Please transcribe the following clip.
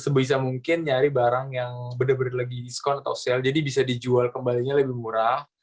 sebisa mungkin nyari barang yang benar benar lagi diskon atau sale jadi bisa dijual kembalinya lebih murah